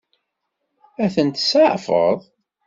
Ad tent-tseɛfeḍ?